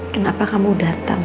kenapa kamu datang